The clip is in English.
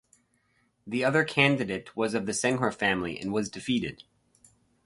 The other candidate was of the Senghore family and was defeated.